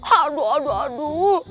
aduh aduh aduh